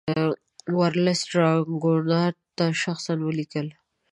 ورلسټ راګونات ته شخصا ولیکل.